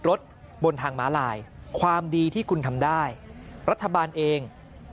รถบนทางม้าลายความดีที่คุณทำได้รัฐบาลเอง